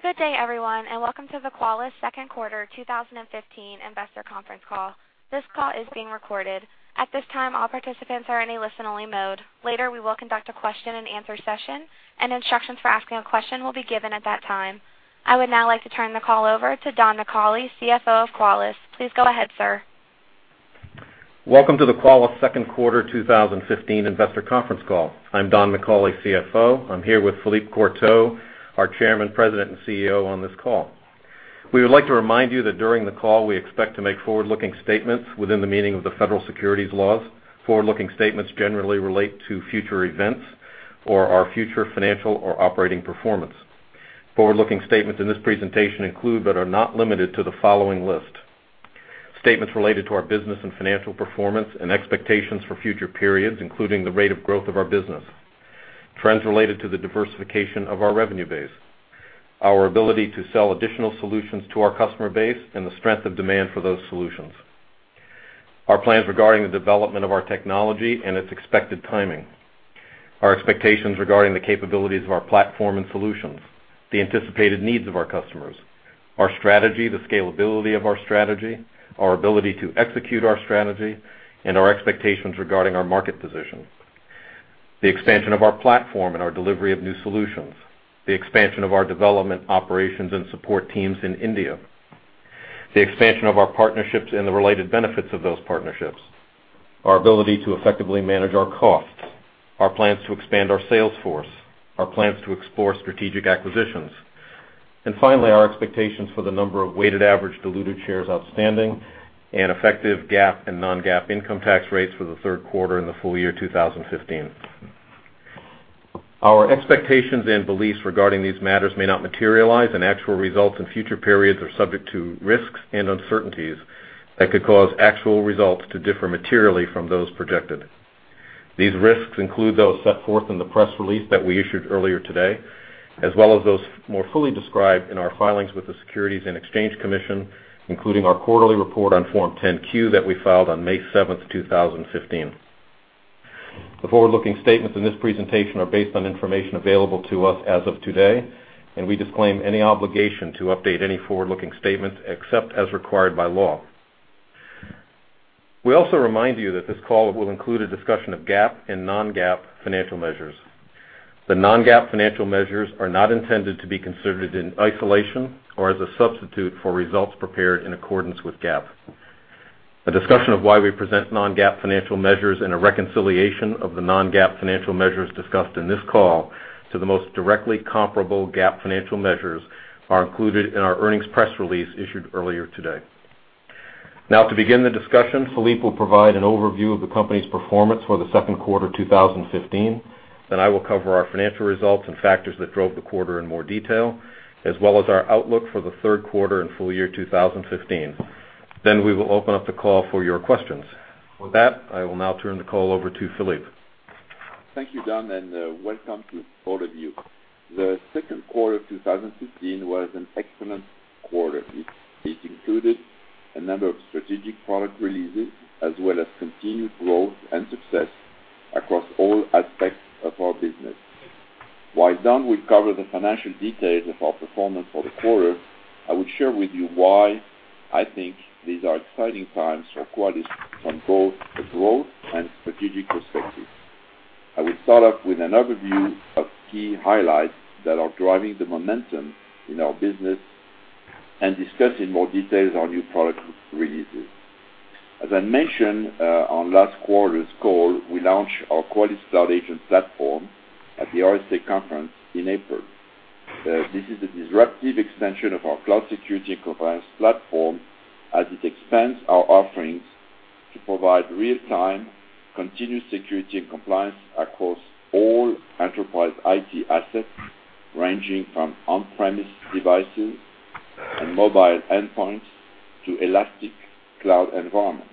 Good day, everyone. Welcome to the Qualys second quarter 2015 investor conference call. This call is being recorded. At this time, all participants are in a listen-only mode. Later, we will conduct a question and answer session, and instructions for asking a question will be given at that time. I would now like to turn the call over to Don McCauley, CFO of Qualys. Please go ahead, sir. Welcome to the Qualys second quarter 2015 investor conference call. I'm Don McCauley, CFO. I'm here with Philippe Courtot, our Chairman, President, and CEO on this call. We would like to remind you that during the call, we expect to make forward-looking statements within the meaning of the federal securities laws. Forward-looking statements in this presentation include, but are not limited to, the following list. Statements related to our business and financial performance and expectations for future periods, including the rate of growth of our business. Trends related to the diversification of our revenue base. Our ability to sell additional solutions to our customer base and the strength of demand for those solutions. Our plans regarding the development of our technology and its expected timing. Our expectations regarding the capabilities of our platform and solutions. The anticipated needs of our customers. Our strategy, the scalability of our strategy, our ability to execute our strategy, and our expectations regarding our market position. The expansion of our platform and our delivery of new solutions. The expansion of our development operations and support teams in India. The expansion of our partnerships and the related benefits of those partnerships. Our ability to effectively manage our costs. Our plans to expand our sales force. Our plans to explore strategic acquisitions. Finally, our expectations for the number of weighted average diluted shares outstanding, and effective GAAP and non-GAAP income tax rates for the third quarter and the full year 2015. Our expectations and beliefs regarding these matters may not materialize, and actual results in future periods are subject to risks and uncertainties that could cause actual results to differ materially from those projected. These risks include those set forth in the press release that we issued earlier today, as well as those more fully described in our filings with the Securities and Exchange Commission, including our quarterly report on Form 10-Q that we filed on May 7th, 2015. The forward-looking statements in this presentation are based on information available to us as of today, and we disclaim any obligation to update any forward-looking statements except as required by law. We also remind you that this call will include a discussion of GAAP and non-GAAP financial measures. The non-GAAP financial measures are not intended to be considered in isolation or as a substitute for results prepared in accordance with GAAP. A discussion of why we present non-GAAP financial measures and a reconciliation of the non-GAAP financial measures discussed in this call to the most directly comparable GAAP financial measures are included in our earnings press release issued earlier today. To begin the discussion, Philippe will provide an overview of the company's performance for the second quarter 2015. I will cover our financial results and factors that drove the quarter in more detail, as well as our outlook for the third quarter and full year 2015. We will open up the call for your questions. With that, I will now turn the call over to Philippe. Thank you, Don, and welcome to all of you. The second quarter 2015 was an excellent quarter. It included a number of strategic product releases, as well as continued growth and success across all aspects of our business. While Don will cover the financial details of our performance for the quarter, I will share with you why I think these are exciting times for Qualys from both a growth and strategic perspective. I will start off with an overview of key highlights that are driving the momentum in our business and discuss in more detail our new product releases. As I mentioned on last quarter's call, we launched our Qualys Cloud Agent platform at the RSA Conference in April. This is a disruptive extension of our cloud security and compliance platform as it expands our offerings to provide real-time, continuous security and compliance across all enterprise IT assets, ranging from on-premise devices and mobile endpoints to elastic cloud environments.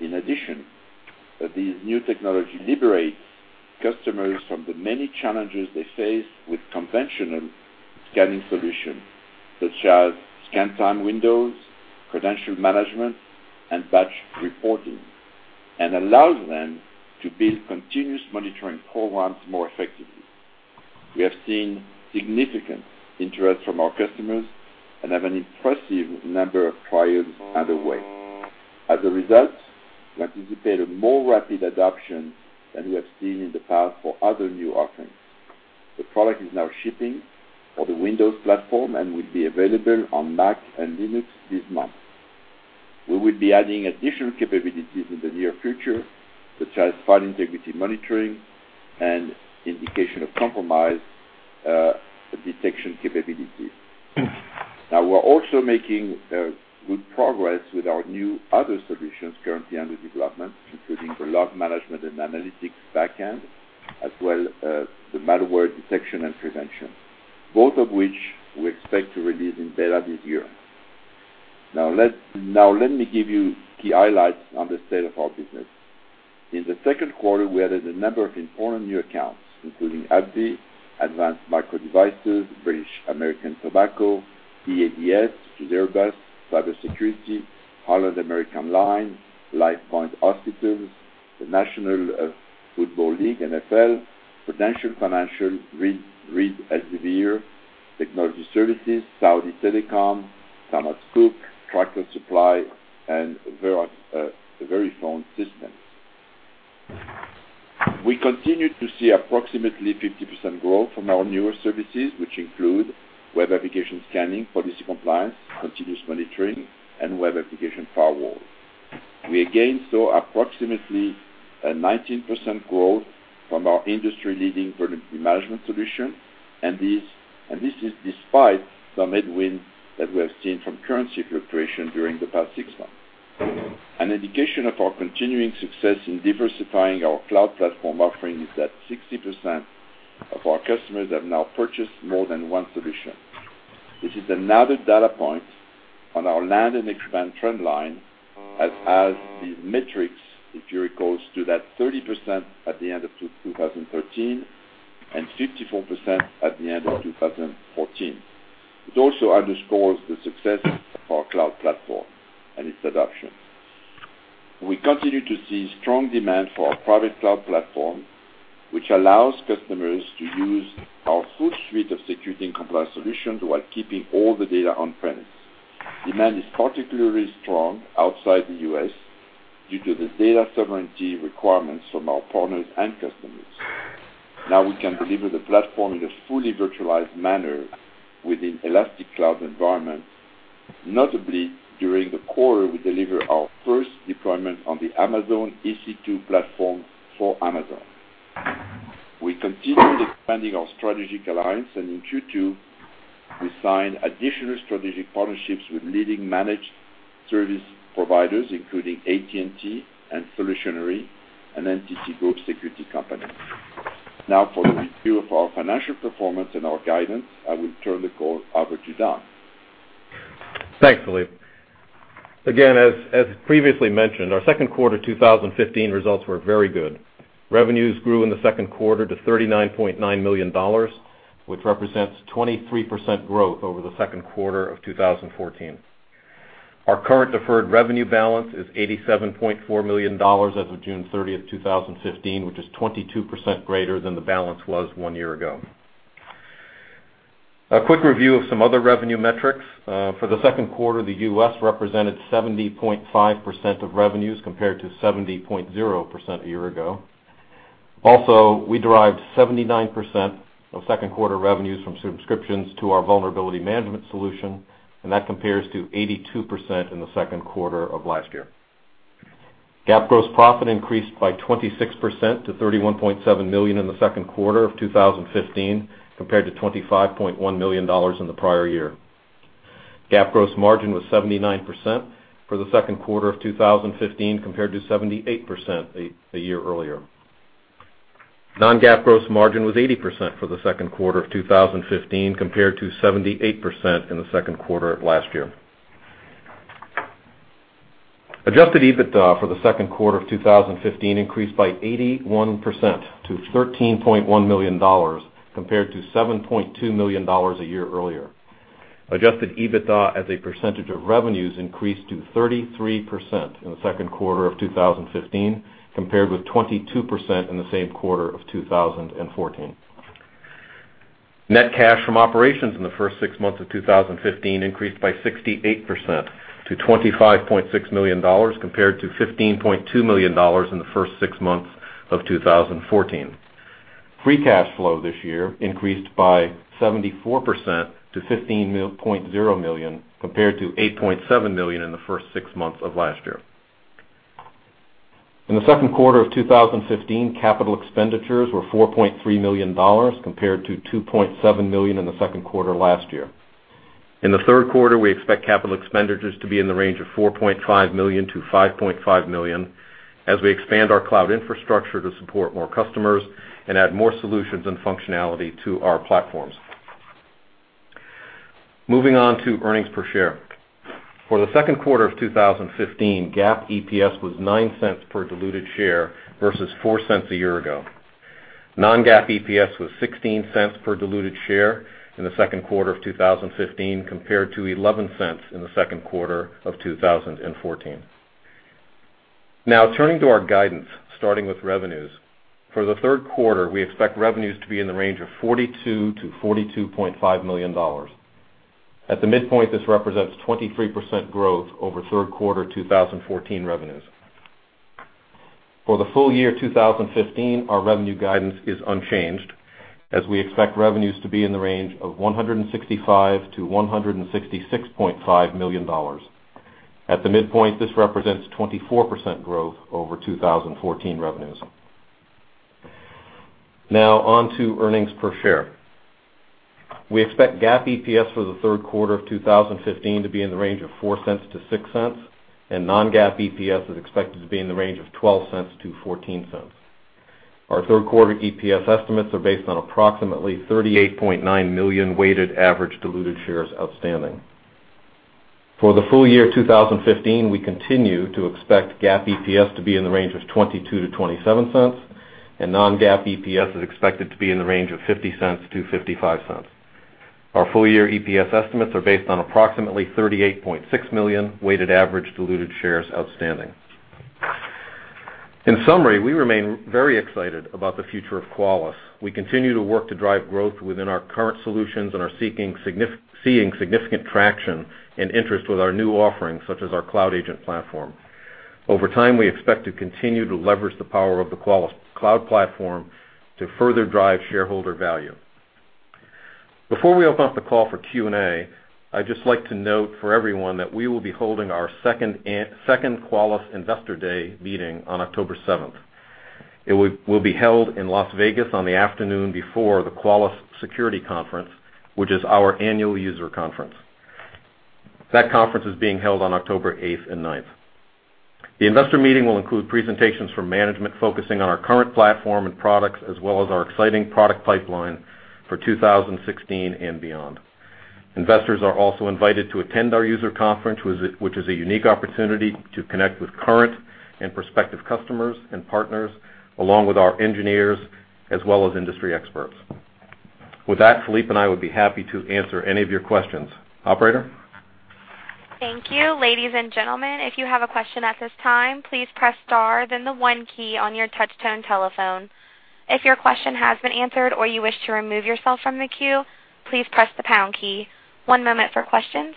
In addition, this new technology liberates customers from the many challenges they face with conventional scanning solutions, such as scan time windows, credential management, and batch reporting, and allows them to build continuous monitoring programs more effectively. We have seen significant interest from our customers and have an impressive number of trials underway. As a result, we anticipate a more rapid adoption than we have seen in the past for other new offerings. The product is now shipping for the Windows platform and will be available on Mac and Linux this month. We will be adding additional capabilities in the near future, such as file integrity monitoring and indication of compromise detection capabilities. We're also making good progress with our new other solutions currently under development, including the log management and analytics back-end, as well as the malware detection and prevention, both of which we expect to release in beta this year. Let me give you key highlights on the state of our business. In the second quarter, we added a number of important new accounts, including AbbVie, Advanced Micro Devices, British American Tobacco, EADS, Airbus, cybersecurity, Holland America Line, LifePoint Health, the National Football League, NFL, Prudential Financial, Reed Elsevier, technology services, Saudi Telecom, Thomas Cook, Tractor Supply, and VeriFone Systems. We continue to see approximately 50% growth from our newer services, which include web application scanning, policy compliance, continuous monitoring, and web application firewall. We again saw approximately a 19% growth from our industry-leading vulnerability management solution. This is despite some headwinds that we have seen from currency fluctuation during the past six months. An indication of our continuing success in diversifying our cloud platform offering is that 60% of our customers have now purchased more than one solution. This is another data point on our land and expand trend line. The metrics, if you recall, stood at 30% at the end of 2013 and 54% at the end of 2014. It also underscores the success of our cloud platform and its adoption. We continue to see strong demand for our private cloud platform, which allows customers to use our full suite of security and compliance solutions while keeping all the data on-premise. Demand is particularly strong outside the U.S. due to the data sovereignty requirements from our partners and customers. We can deliver the platform in a fully virtualized manner within elastic cloud environments. Notably, during the quarter, we delivered our first deployment on the Amazon EC2 platform for Amazon. We continue expanding our strategic alliance. In Q2, we signed additional strategic partnerships with leading managed service providers, including AT&T and Solutionary and NTT Group security companies. For the review of our financial performance and our guidance, I will turn the call over to Don. Thanks, Philippe. As previously mentioned, our second quarter 2015 results were very good. Revenues grew in the second quarter to $39.9 million, which represents 23% growth over the second quarter of 2014. Our current deferred revenue balance is $87.4 million as of June 30th, 2015, which is 22% greater than the balance was one year ago. A quick review of some other revenue metrics. For the second quarter, the U.S. represented 70.5% of revenues compared to 70.0% a year ago. We derived 79% of second-quarter revenues from subscriptions to our vulnerability management solution. That compares to 82% in the second quarter of last year. GAAP gross profit increased by 26% to $31.7 million in the second quarter of 2015 compared to $25.1 million in the prior year. GAAP gross margin was 79% for the second quarter of 2015 compared to 78% a year earlier. Non-GAAP gross margin was 80% for the second quarter of 2015 compared to 78% in the second quarter of last year. Adjusted EBITDA for the second quarter of 2015 increased by 81% to $13.1 million compared to $7.2 million a year earlier. Adjusted EBITDA as a percentage of revenues increased to 33% in the second quarter of 2015 compared with 22% in the same quarter of 2014. Net cash from operations in the first six months of 2015 increased by 68% to $25.6 million compared to $15.2 million in the first six months of 2014. Free cash flow this year increased by 74% to $15.0 million compared to $8.7 million in the first six months of last year. In the second quarter of 2015, capital expenditures were $4.3 million compared to $2.7 million in the second quarter last year. In the third quarter, we expect capital expenditures to be in the range of $4.5 million-$5.5 million as we expand our cloud infrastructure to support more customers and add more solutions and functionality to our platforms. Moving on to earnings per share. For the second quarter of 2015, GAAP EPS was $0.09 per diluted share versus $0.04 a year ago. Non-GAAP EPS was $0.16 per diluted share in the second quarter of 2015 compared to $0.11 in the second quarter of 2014. Turning to our guidance, starting with revenues. For the third quarter, we expect revenues to be in the range of $42 million-$42.5 million. At the midpoint, this represents 23% growth over third quarter 2014 revenues. For the full year 2015, our revenue guidance is unchanged, as we expect revenues to be in the range of $165 million-$166.5 million. At the midpoint, this represents 24% growth over 2014 revenues. On to earnings per share. We expect GAAP EPS for the third quarter of 2015 to be in the range of $0.04-$0.06, and Non-GAAP EPS is expected to be in the range of $0.12-$0.14. Our third quarter EPS estimates are based on approximately 38.9 million weighted average diluted shares outstanding. For the full year 2015, we continue to expect GAAP EPS to be in the range of $0.22-$0.27, and Non-GAAP EPS is expected to be in the range of $0.50-$0.55. Our full-year EPS estimates are based on approximately 38.6 million weighted average diluted shares outstanding. In summary, we remain very excited about the future of Qualys. We continue to work to drive growth within our current solutions and are seeing significant traction and interest with our new offerings, such as our Cloud Agent platform. Over time, we expect to continue to leverage the power of the Qualys Cloud Platform to further drive shareholder value. Before we open up the call for Q&A, I'd just like to note for everyone that we will be holding our second Qualys Investor Day meeting on October 7th. It will be held in Las Vegas on the afternoon before the Qualys Security Conference, which is our annual user conference. That conference is being held on October 8th and 9th. The investor meeting will include presentations from management focusing on our current platform and products, as well as our exciting product pipeline for 2016 and beyond. Investors are also invited to attend our user conference, which is a unique opportunity to connect with current and prospective customers and partners, along with our engineers as well as industry experts. With that, Philippe and I would be happy to answer any of your questions. Operator? Thank you. Ladies and gentlemen, if you have a question at this time, please press star then the one key on your touch tone telephone. If your question has been answered or you wish to remove yourself from the queue, please press the pound key. One moment for questions.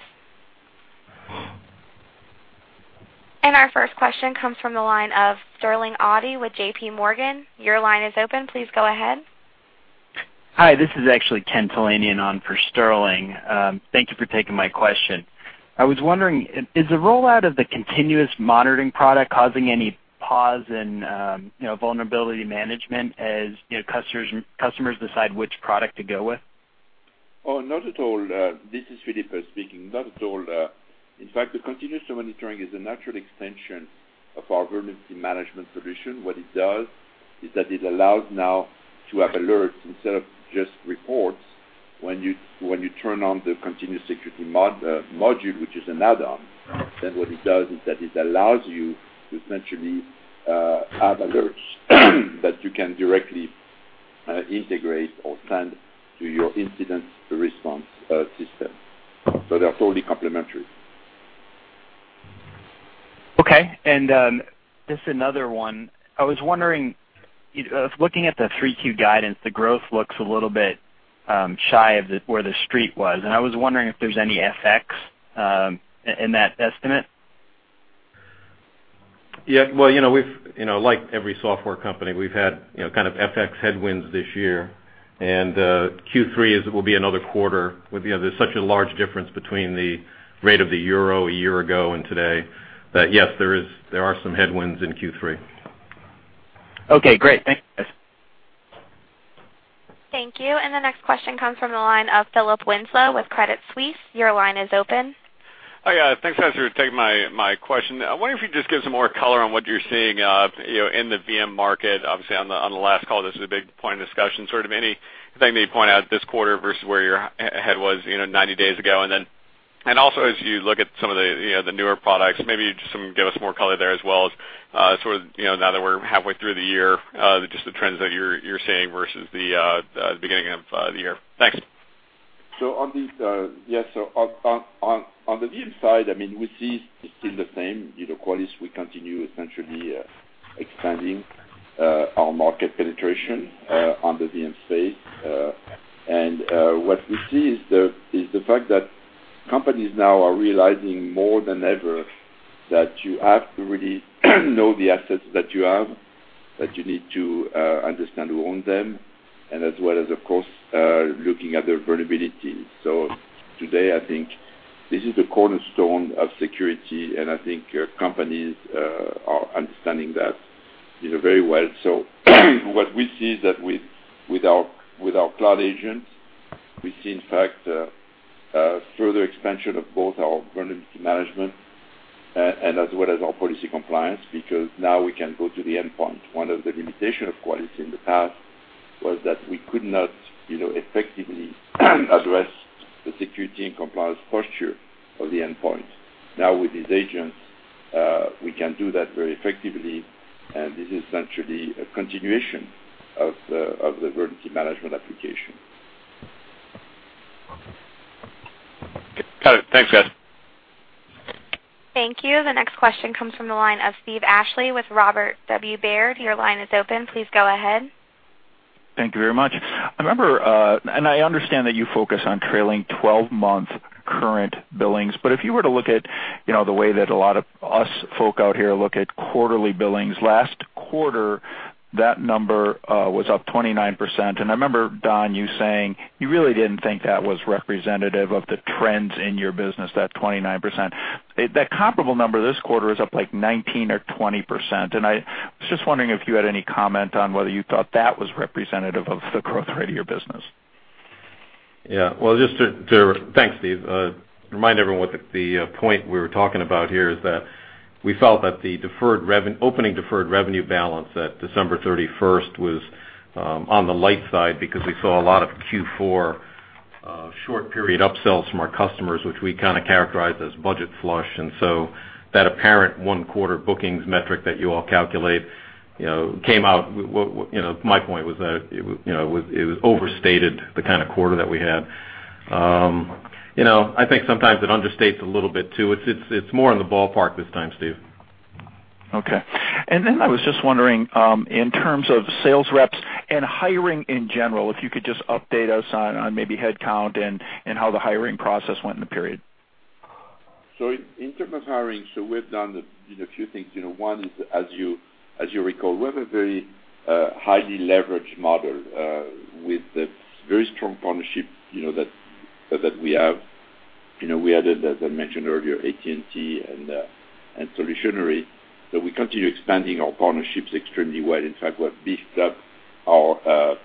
Our first question comes from the line of Sterling Auty with JPMorgan. Your line is open. Please go ahead. Hi, this is actually Ken Talanian on for Sterling. Thank you for taking my question. I was wondering, is the rollout of the continuous monitoring product causing any pause in vulnerability management as customers decide which product to go with? Not at all. This is Philippe speaking. Not at all. In fact, the continuous monitoring is a natural extension of our vulnerability management solution. What it does is that it allows now to have alerts instead of just reports when you turn on the continuous security module, which is an add-on. What it does is that it allows you to essentially have alerts that you can directly integrate or send to your incident response system. They're totally complementary. Okay. Just another one. I was looking at the 3Q guidance, the growth looks a little bit shy of where the Street was, I was wondering if there's any FX in that estimate. Well, like every software company, we've had kind of FX headwinds this year, and Q3 will be another quarter. There's such a large difference between the rate of the euro a year ago and today. Yes, there are some headwinds in Q3. Okay, great. Thanks, guys. Thank you. The next question comes from the line of Philip Winslow with Credit Suisse. Your line is open. Hi. Thanks for taking my question. I wonder if you could just give some more color on what you're seeing in the VM market. Obviously, on the last call, this was a big point of discussion. Sort of anything you may point out this quarter versus where your head was 90 days ago. Also as you look at some of the newer products, maybe just give us more color there as well as sort of now that we're halfway through the year, just the trends that you're seeing versus the beginning of the year. Thanks. On the VM side, we see still the same. Qualys, we continue essentially expanding our market penetration on the VM space. What we see is the fact that companies now are realizing more than ever that you have to really know the assets that you have, that you need to understand who own them, and as well as, of course, looking at their vulnerability. Today, I think this is the cornerstone of security, and I think companies are understanding that very well. What we see is that with our Cloud Agents, we see, in fact, a further expansion of both our vulnerability management and as well as our policy compliance, because now we can go to the endpoint. One of the limitations of Qualys in the past was that we could not effectively address the security and compliance posture of the endpoint. Now with these agents, we can do that very effectively, this is essentially a continuation of the vulnerability management application. Got it. Thanks, guys. Thank you. The next question comes from the line of Steve Ashley with Robert W. Baird. Your line is open. Please go ahead. Thank you very much. I remember, I understand that you focus on trailing 12-month current billings, but if you were to look at the way that a lot of us folk out here look at quarterly billings, last quarter, that number was up 29%. I remember, Don, you saying you really didn't think that was representative of the trends in your business, that 29%. That comparable number this quarter is up like 19% or 20%. I was just wondering if you had any comment on whether you thought that was representative of the growth rate of your business. Yeah. Thanks, Steve. To remind everyone what the point we were talking about here is that we felt that the opening deferred revenue balance at December 31st was on the light side because we saw a lot of Q4 short period upsells from our customers, which we kind of characterized as budget flush. That apparent one quarter bookings metric that you all calculate came out. My point was that it was overstated the kind of quarter that we had. I think sometimes it understates a little bit, too. It's more in the ballpark this time, Steve. Okay. I was just wondering, in terms of sales reps and hiring in general, if you could just update us on maybe headcount and how the hiring process went in the period. In terms of hiring, we've done a few things. One is, as you recall, we have a very highly leveraged model with the very strong partnership that we have. We added, as I mentioned earlier, AT&T and Solutionary. We continue expanding our partnerships extremely well. In fact, we have beefed up our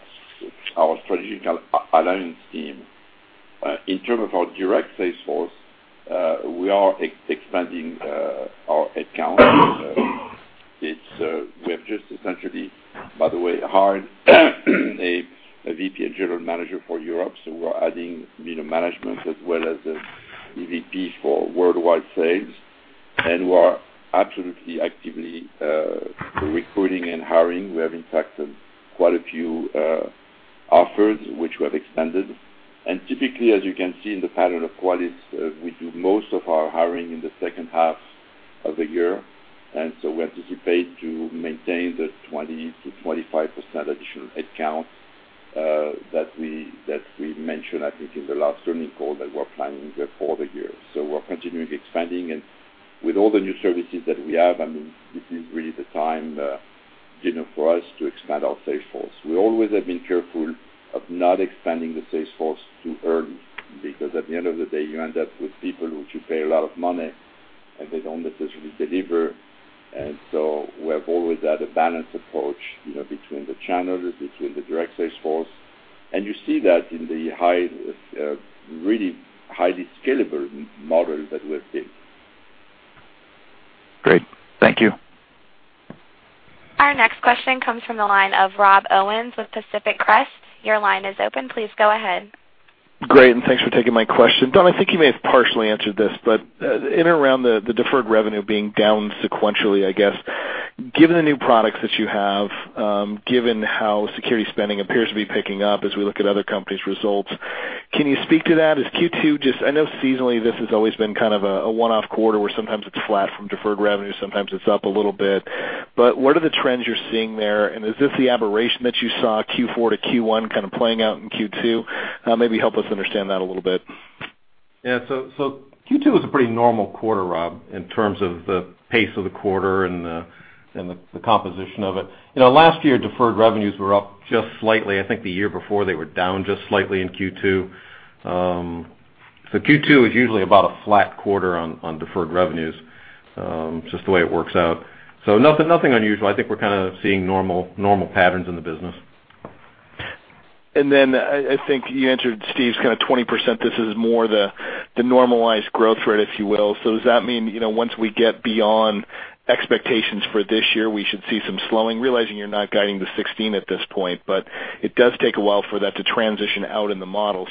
strategic alliance team. In terms of our direct sales force, we are expanding our headcount. We have just essentially, by the way, hired a VP and general manager for Europe. We're adding middle management as well as the EVP for worldwide sales. We are absolutely actively recruiting and hiring. We have, in fact, quite a few offers which we have expanded. Typically, as you can see in the pattern of Qualys, we do most of our hiring in the second half of the year. We anticipate to maintain the 20% to 25% additional headcounts that we mentioned, I think, in the last earnings call that we're planning for the year. We're continuing expanding. With all the new services that we have, this is really the time for us to expand our sales force. We always have been careful of not expanding the sales force too early, because at the end of the day, you end up with people which you pay a lot of money, and they don't necessarily deliver. We have always had a balanced approach between the channels, between the direct sales force. You see that in the really highly scalable model that we have built. Great. Thank you. Our next question comes from the line of Rob Owens with Pacific Crest. Your line is open. Please go ahead. Great, thanks for taking my question. Don, I think you may have partially answered this, but in around the deferred revenue being down sequentially, I guess, given the new products that you have, given how security spending appears to be picking up as we look at other companies' results, can you speak to that? I know seasonally this has always been kind of a one-off quarter where sometimes it's flat from deferred revenue, sometimes it's up a little bit. What are the trends you're seeing there? Is this the aberration that you saw Q4 to Q1 kind of playing out in Q2? Maybe help us understand that a little bit. Yeah. Q2 was a pretty normal quarter, Rob, in terms of the pace of the quarter and the composition of it. Last year, deferred revenues were up just slightly. I think the year before they were down just slightly in Q2. Q2 is usually about a flat quarter on deferred revenues, just the way it works out. Nothing unusual. I think we're kind of seeing normal patterns in the business. I think you answered Steve's kind of 20%. This is more the normalized growth rate, if you will. Does that mean, once we get beyond expectations for this year, we should see some slowing? Realizing you're not guiding to 2016 at this point, it does take a while for that to transition out in the model.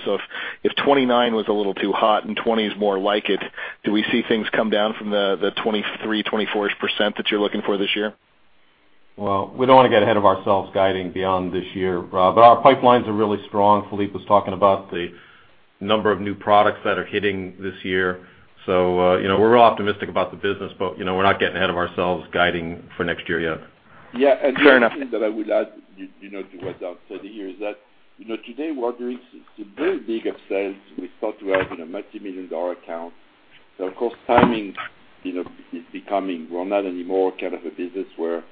If 29 was a little too hot and 20 is more like it, do we see things come down from the 23%-24% that you're looking for this year? Well, we don't want to get ahead of ourselves guiding beyond this year, Rob. Our pipelines are really strong. Philippe was talking about the number of new products that are hitting this year. We're optimistic about the business, we're not getting ahead of ourselves guiding for next year yet. Fair enough. The other thing that I would add to what Don said here is that today we are doing some very big upsells. We talk to multimillion-dollar accounts. Of course, timing is becoming, we're not anymore kind of a business where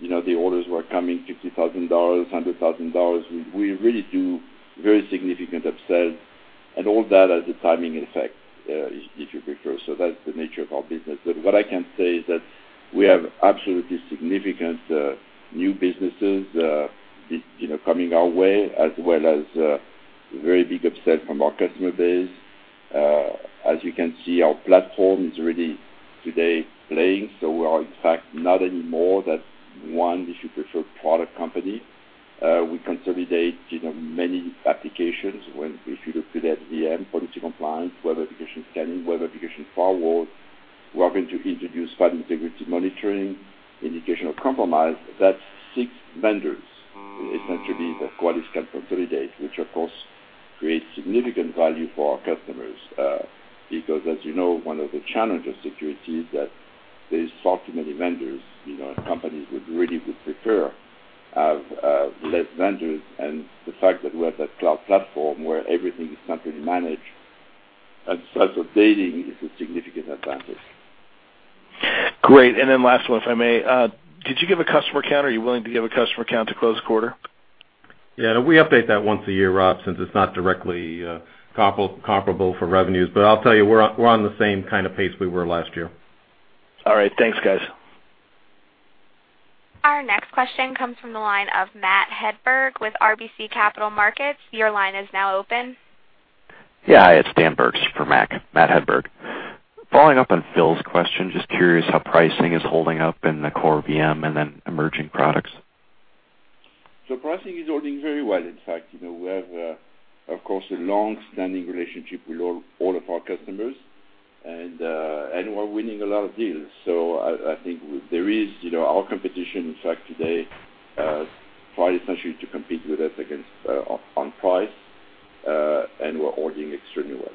the orders were coming $50,000, $100,000. We really do very significant upsells and all that has a timing effect, if you prefer. That's the nature of our business. What I can say is that we have absolutely significant new businesses coming our way, as well as very big upsell from our customer base. As you can see, our platform is really today playing. We are, in fact, not anymore that one distribution product company. We consolidate many applications. If you look today at VM, policy compliance, web application scanning, web application firewall, we are going to introduce file integrity monitoring, indication of compromise. That's six vendors, essentially, that Qualys can consolidate, which of course creates significant value for our customers. As you know, one of the challenges of security is that there's far too many vendors, and companies really would prefer less vendors. The fact that we have that cloud platform where everything is centrally managed and starts updating is a significant advantage. Great. Last one, if I may. Did you give a customer count or are you willing to give a customer count to close quarter? We update that once a year, Rob, since it's not directly comparable for revenues. I'll tell you, we're on the same kind of pace we were last year. All right. Thanks, guys. Our next question comes from the line of Matthew Hedberg with RBC Capital Markets. Your line is now open. Yeah. Hi, it's Daniel Berg for Matthew Hedberg. Following up on Phil's question, just curious how pricing is holding up in the core VM and then emerging products. Pricing is holding very well, in fact. We have, of course, a long-standing relationship with all of our customers and we're winning a lot of deals. I think there is our competition, in fact, today, try essentially to compete with us against on price, and we're holding extremely well.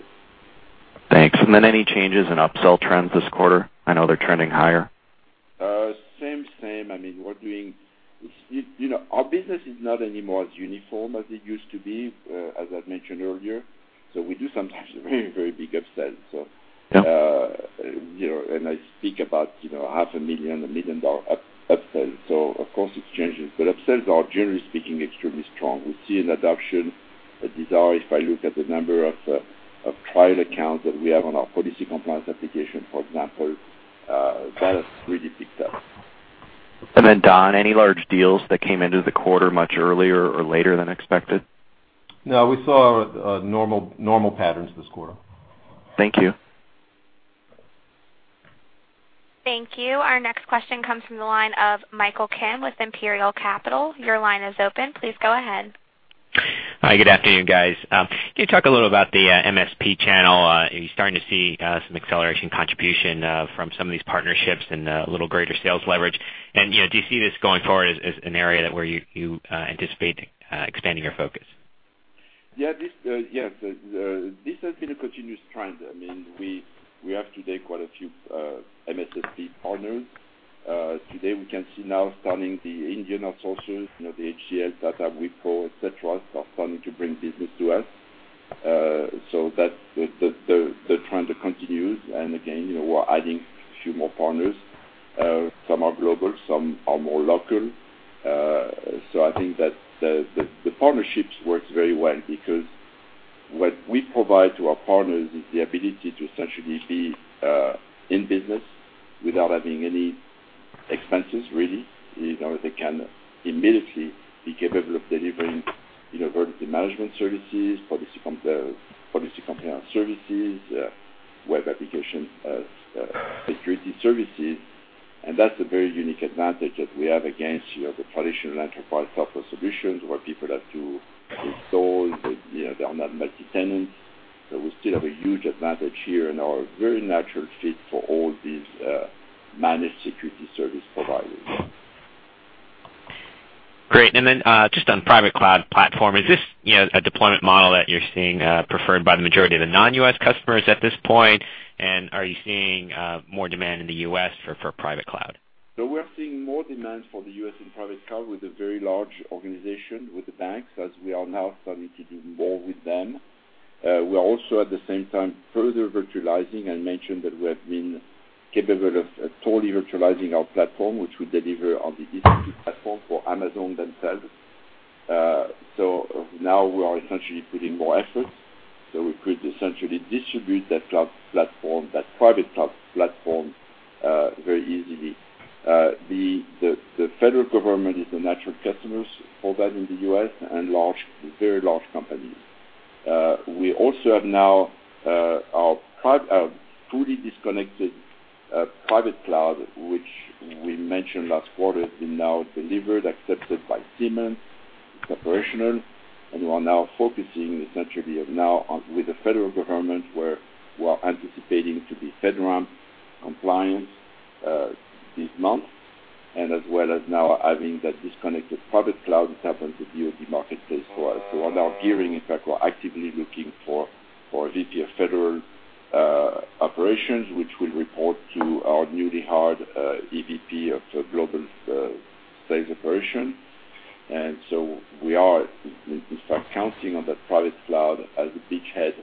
Thanks. Any changes in upsell trends this quarter? I know they're trending higher. Same. Our business is not anymore as uniform as it used to be, as I've mentioned earlier. We do sometimes very big upsells. Yeah. I speak about half a million, a million dollar upsells. Of course it's changing, but upsells are, generally speaking, extremely strong. We see an adoption desire if I look at the number of trial accounts that we have on our policy compliance application, for example, that has really picked up. Don, any large deals that came into the quarter much earlier or later than expected? No, we saw normal patterns this quarter. Thank you. Thank you. Our next question comes from the line of Michael Kim with Imperial Capital. Your line is open. Please go ahead. Hi, good afternoon, guys. Can you talk a little about the MSP channel? Are you starting to see some acceleration contribution from some of these partnerships and a little greater sales leverage? Do you see this going forward as an area that where you anticipate expanding your focus? Yes. This has been a continuous trend. We have today quite a few MSSP partners. Today we can see now starting the Indian outsourcers, HCL, Tata, Wipro, et cetera, are starting to bring business to us. The trend continues, and again, we're adding a few more partners. Some are global, some are more local. I think that the partnerships works very well because what we provide to our partners is the ability to essentially be in business without having any expenses, really. They can immediately be capable of delivering vulnerability management services, policy compliance services, web application security services. That's a very unique advantage that we have against the traditional enterprise software solutions, where people have to install, they are not multi-tenant. We still have a huge advantage here and are a very natural fit for all these managed security service providers. Great. Just on private cloud platform, is this a deployment model that you're seeing preferred by the majority of the non-U.S. customers at this point, and are you seeing more demand in the U.S. for private cloud? We are seeing more demand for the U.S. in private cloud with a very large organization, with the banks, as we are now starting to do more with them. We are also, at the same time, further virtualizing. I mentioned that we have been capable of totally virtualizing our platform, which we deliver on the EC2 platform for Amazon themselves. Now we are essentially putting more efforts, so we could essentially distribute that cloud platform, that private cloud platform, very easily. The federal government is the natural customers for that in the U.S. and very large companies. We also have now our fully disconnected private cloud, which we mentioned last quarter, has been now delivered, accepted by Siemens. It's operational. We are now focusing essentially now with the federal government, where we are anticipating to be FedRAMP compliant this month, as well as now having that disconnected private cloud that happens to be on the marketplace for us. We're now gearing, in fact, we're actively looking for a VP of federal operations, which will report to our newly hired EVP of global sales operation. We are, in fact, counting on that private cloud as a beachhead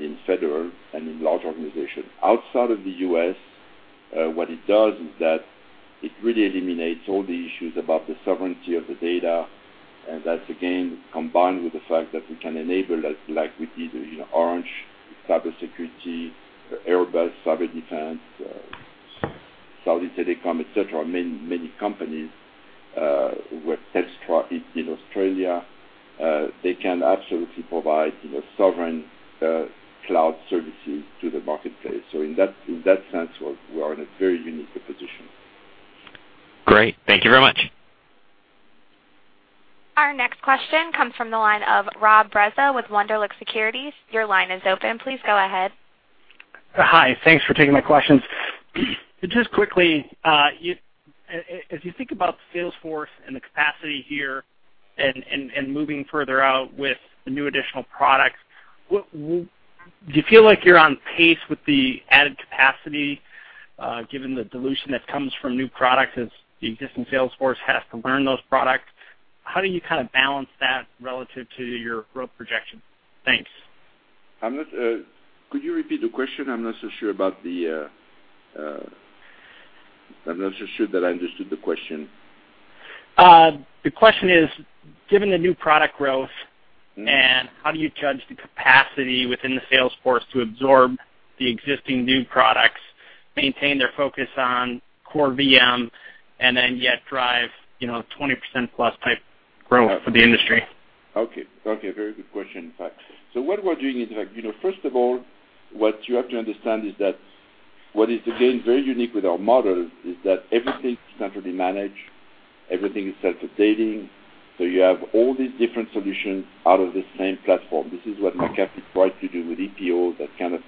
in federal and in large organizations. Outside of the U.S., what it does is that it really eliminates all the issues about the sovereignty of the data, and that's again, combined with the fact that we can enable, like we did with Orange Cyberdefense, Airbus, cyber defense, Saudi Telecom, et cetera, many companies, with Telstra in Australia. They can absolutely provide sovereign cloud services to the marketplace. In that sense, we are in a very unique position. Great. Thank you very much. Our next question comes from the line of Robert Breza with Wunderlich Securities. Your line is open. Please go ahead. Hi. Thanks for taking my questions. Just quickly, as you think about salesforce and the capacity here and moving further out with the new additional products, do you feel like you're on pace with the added capacity, given the dilution that comes from new products as the existing salesforce has to learn those products? How do you balance that relative to your growth projection? Thanks. Could you repeat the question? I'm not so sure that I understood the question. The question is, given the new product growth, how do you judge the capacity within the sales force to absorb the existing new products, maintain their focus on core VM, and then yet drive 20% plus type growth for the industry? Okay. Very good question. In fact. What we're doing is, first of all, what you have to understand is that what is, again, very unique with our model is that everything is centrally managed, everything is self-updating. You have all these different solutions out of the same platform. This is what McAfee tried to do with ePO, that kind of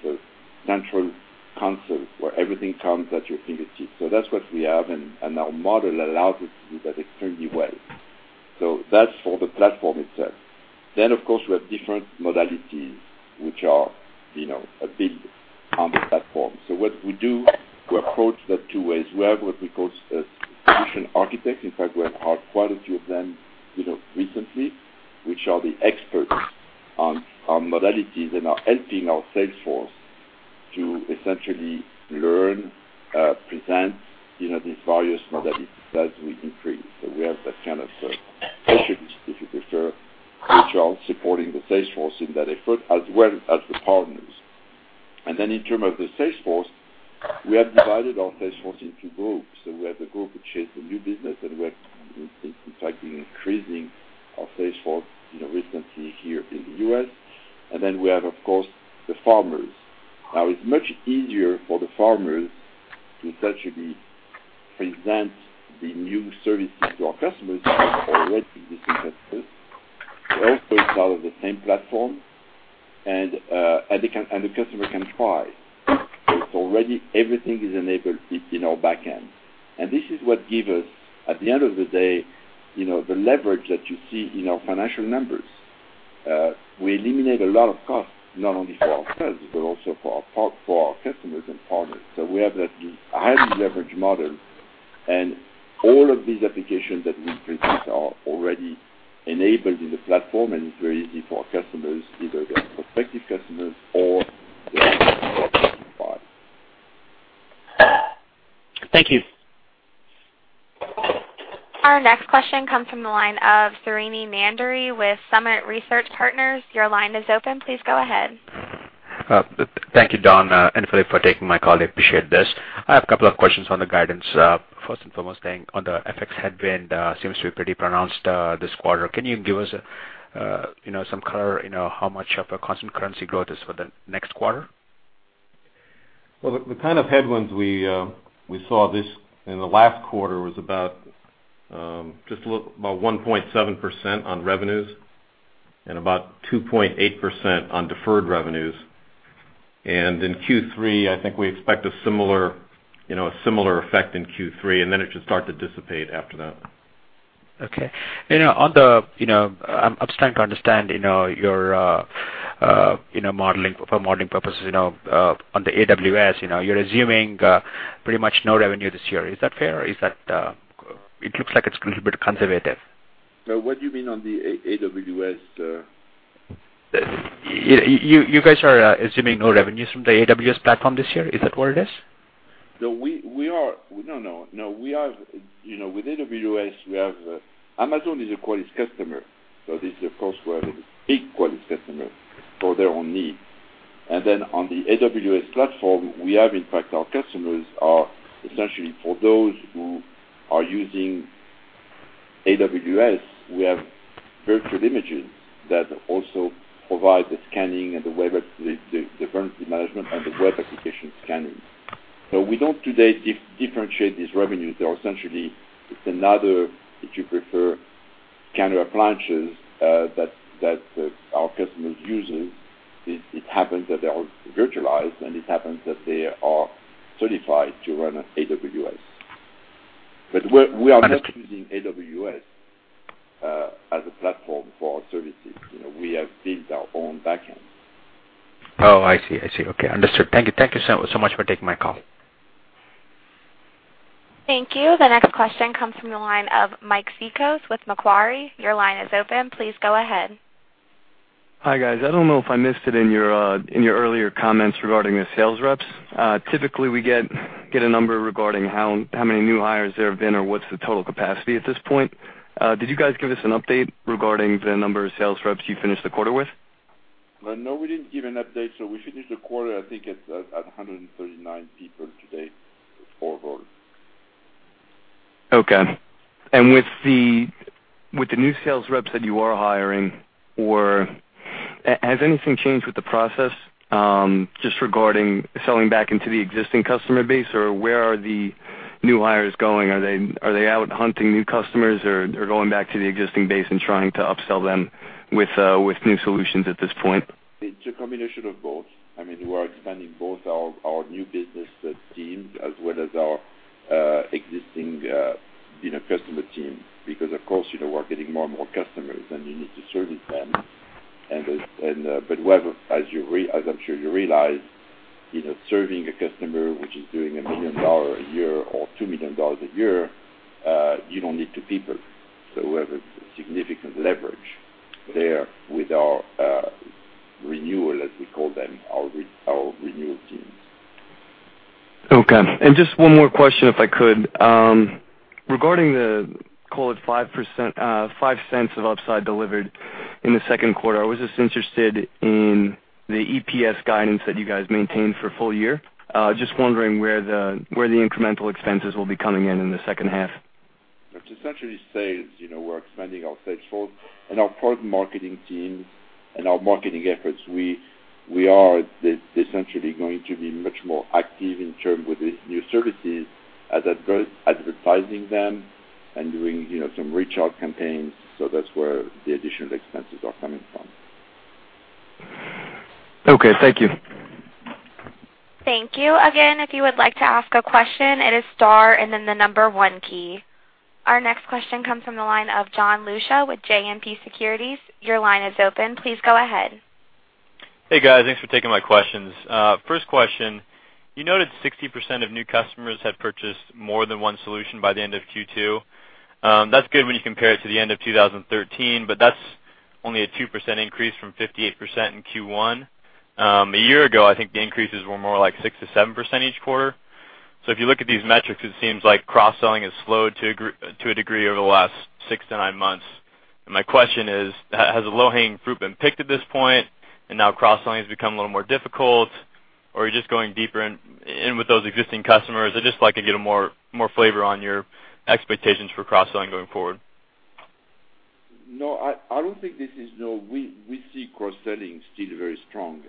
central console where everything comes at your fingertips. That's what we have, and our model allows us to do that extremely well. That's for the platform itself. Of course, we have different modalities which are built on the platform. What we do, we approach that two ways. We have what we call a solution architect. In fact, we have hired quite a few of them recently, who are the experts on modalities and are helping our sales force to essentially learn, present these various modalities as we increase. We have that kind of specialist, if you prefer, which are supporting the sales force in that effort, as well as the partners. In term of the sales force, we have divided our sales force into groups. We have a group which is the new business, and we're in fact increasing our sales force recently here in the U.S. We have, of course, the farmers. Now, it's much easier for the farmers to essentially present the new services to our customers because it's already in the system. They're also part of the same platform, and the customer can try. It's already, everything is enabled in our back end. This is what gives us, at the end of the day, the leverage that you see in our financial numbers. We eliminate a lot of costs, not only for ourselves, but also for our customers and partners. We have that highly leveraged model, and all of these applications that we present are already enabled in the platform, and it's very easy for our customers, either they are prospective customers or they are existing customers. Thank you. Our next question comes from the line of Srini Nandury with Summit Research Partners. Your line is open. Please go ahead. Thank you, Don and Philippe, for taking my call. I appreciate this. I have a couple of questions on the guidance. First and foremost, on the FX headwind seems to be pretty pronounced this quarter. Can you give us some color, how much of a constant currency growth is for the next quarter? Well, the kind of headwinds we saw this in the last quarter was about just about 1.7% on revenues and about 2.8% on deferred revenues. In Q3, I think we expect a similar effect in Q3, then it should start to dissipate after that. Okay. I'm starting to understand for modeling purposes on the AWS, you're assuming pretty much no revenue this year. Is that fair? It looks like it's a little bit conservative. What do you mean on the AWS? You guys are assuming no revenues from the AWS platform this year. Is that what it is? No. With AWS, Amazon is a Qualys customer. This, of course, we have a big Qualys customer for their own need. On the AWS platform, we have, in fact, our customers are essentially for those who are using AWS, we have virtual images that also provide the scanning and the vulnerability management and the web application scanning. We don't, today, differentiate these revenues. They are essentially, it's another, if you prefer, scanner appliances that our customers use. It happens that they are virtualized, and it happens that they are certified to run on AWS. We are not using AWS as a platform for our services. We have built our own back end. Oh, I see. Okay, understood. Thank you so much for taking my call. Thank you. The next question comes from the line of Mike Cikos with Macquarie. Your line is open. Please go ahead. Hi, guys. I don't know if I missed it in your earlier comments regarding the sales reps. Typically, we get a number regarding how many new hires there have been or what's the total capacity at this point. Did you guys give us an update regarding the number of sales reps you finished the quarter with? No, we didn't give an update. We finished the quarter, I think, at 139 people today forward. Okay. With the new sales reps that you are hiring, has anything changed with the process just regarding selling back into the existing customer base, or where are the new hires going? Are they out hunting new customers or going back to the existing base and trying to upsell them with new solutions at this point? It's a combination of both. We are expanding both our new business teams as well as our existing customer team because, of course, we're getting more and more customers, and you need to service them. As I'm sure you realize, serving a customer which is doing $1 million a year or $2 million a year, you don't need two people. We have a significant leverage there with our renewal, as we call them, our renewal teams. Okay. Just one more question, if I could. Regarding the, call it $0.05 of upside delivered in the second quarter, I was just interested in the EPS guidance that you guys maintained for full year. Just wondering where the incremental expenses will be coming in the second half. It's essentially sales. We're expanding our sales force and our product marketing teams and our marketing efforts. We are essentially going to be much more active in term with these new services, advertising them and doing some reach-out campaigns. That's where the additional expenses are coming from. Okay, thank you. Thank you. Again, if you would like to ask a question, it is star and then the number 1 key. Our next question comes from the line of John Lucia with JMP Securities. Your line is open. Please go ahead. Hey, guys. Thanks for taking my questions. First question, you noted 60% of new customers have purchased more than one solution by the end of Q2. That's good when you compare it to the end of 2013, that's only a 2% increase from 58% in Q1. A year ago, I think the increases were more like 6%-7% each quarter. If you look at these metrics, it seems like cross-selling has slowed to a degree over the last 6-9 months. My question is, has the low-hanging fruit been picked at this point and now cross-selling has become a little more difficult, or are you just going deeper in with those existing customers? I'd just like to get more flavor on your expectations for cross-selling going forward. No, we see cross-selling still very strong.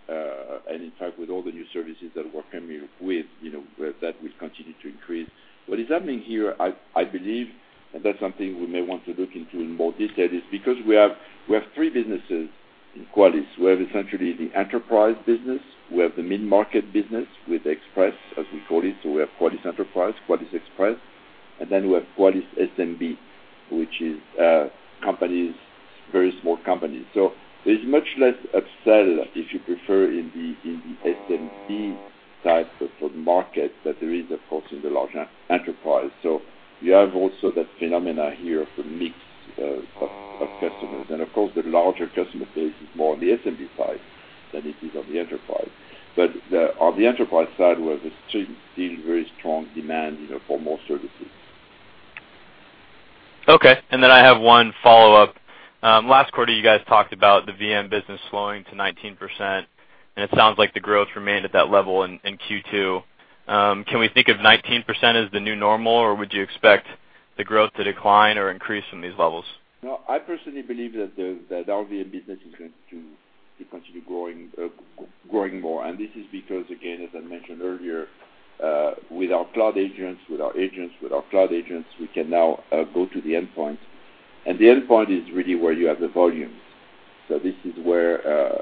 In fact, with all the new services that we're coming with, that will continue to increase. What is happening here, I believe, and that's something we may want to look into in more detail, is because we have three businesses in Qualys. We have essentially the enterprise business, we have the mid-market business with Express, as we call it. We have Qualys Enterprise, Qualys Express, and then we have Qualys SMB, which is very small companies. There's much less upsell, if you prefer, in the SMB type of market than there is, of course, in the larger enterprise. We have also that phenomena here of the mix of customers. Of course, the larger customer base is more on the SMB side than it is on the enterprise. On the enterprise side, we have a still very strong demand for more services. Okay. I have one follow-up. Last quarter, you guys talked about the VM business slowing to 19%, and it sounds like the growth remained at that level in Q2. Can we think of 19% as the new normal, or would you expect the growth to decline or increase from these levels? No, I personally believe that our VM business is going to continue growing more. This is because, again, as I mentioned earlier, with our Cloud Agents, we can now go to the endpoint. The endpoint is really where you have the volumes. This is where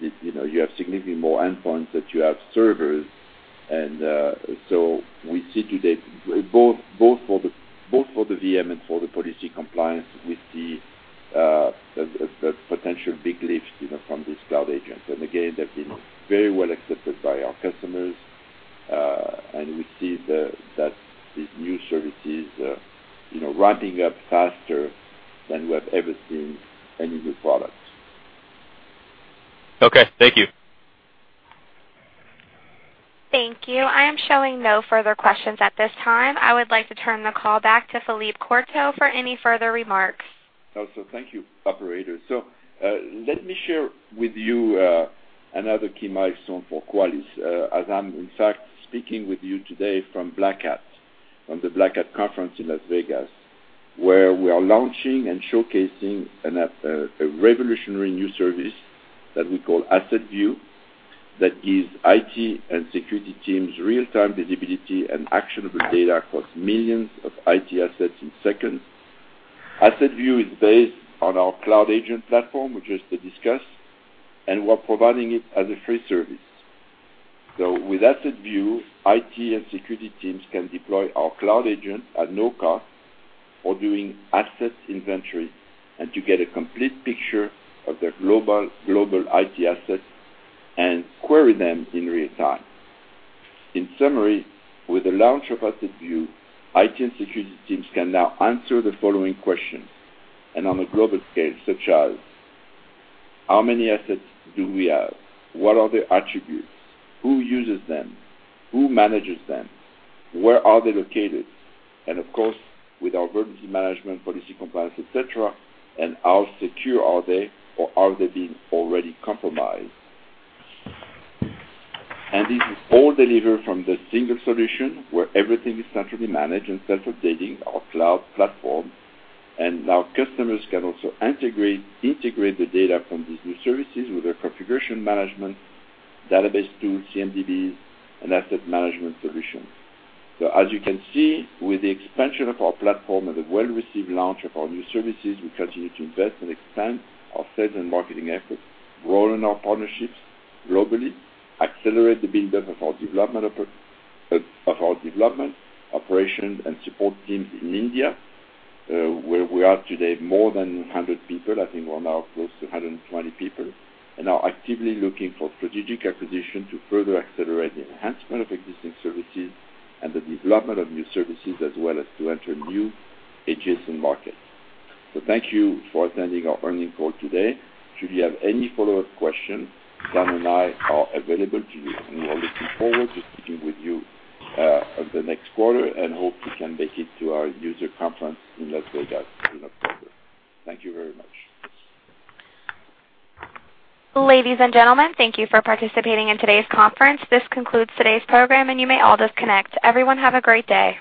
you have significantly more endpoints than you have servers. We see today, both for the VM and for the policy compliance, we see the potential big lift from these Cloud Agents. Again, they've been very well accepted by our customers. We see that these new services are ramping up faster than we have ever seen any new product. Okay, thank you. Thank you. I am showing no further questions at this time. I would like to turn the call back to Philippe Courtot for any further remarks. Thank you, operator. Let me share with you another key milestone for Qualys, as I'm in fact speaking with you today from the Black Hat conference in Las Vegas, where we are launching and showcasing a revolutionary new service that we call AssetView that gives IT and security teams real-time visibility and actionable data across millions of IT assets in seconds. AssetView is based on our cloud agent platform, which we just discussed, and we're providing it as a free service. With AssetView, IT and security teams can deploy our cloud agent at no cost for doing asset inventory and to get a complete picture of their global IT assets and query them in real time. In summary, with the launch of AssetView, IT and security teams can now answer the following questions, and on a global scale, such as, how many assets do we have? What are the attributes? Who uses them? Who manages them? Where are they located? And of course, with our vulnerability management, policy compliance, et cetera, and how secure are they, or are they being already compromised? This is all delivered from the single solution where everything is centrally managed and self-updating our cloud platform. Now customers can also integrate the data from these new services with their configuration management database tools, CMDBs, and asset management solutions. As you can see, with the expansion of our platform and the well-received launch of our new services, we continue to invest and expand our sales and marketing efforts, growing our partnerships globally, accelerate the build-up of our development, operation, and support teams in India, where we are today more than 100 people. I think we're now close to 120 people, and are actively looking for strategic acquisition to further accelerate the enhancement of existing services and the development of new services, as well as to enter new adjacent markets. Thank you for attending our earnings call today. Should you have any follow-up questions, John and I are available to you, and we are looking forward to speaking with you the next quarter and hope you can make it to our user conference in Las Vegas in October. Thank you very much. Ladies and gentlemen, thank you for participating in today's conference. This concludes today's program, and you may all disconnect. Everyone have a great day.